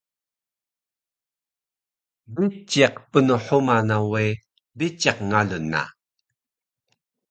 Biciq pnhuma na we, biciq ngalun na